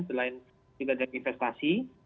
selain juga dari investasi